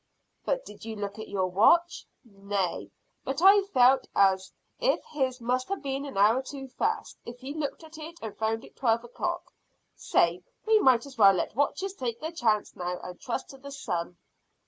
"But did you look at your watch?" "Nay, but I felt as if his must have been an hour too fast if he looked at it and found it twelve o'clock. Say, we might as well let watches take their chance now, and trust to the sun.